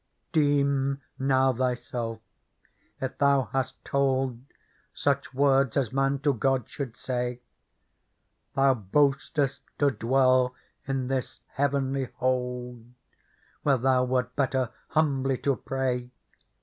" Deem now thyself if thou hast told Such words as man to God should say. Thou boastest to dwell in this Heavenly Hold, Where thou wert better humbly to pray.